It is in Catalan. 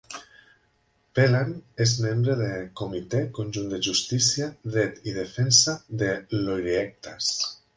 Phelan és membre de Comitè Conjunt de Justícia, Dret i Defensa de l'Oireachtas.